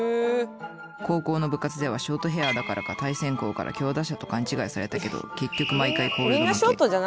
高校の部活ではショートヘアだからか対戦校から強打者と勘違いされたけど結局毎回コールド負け。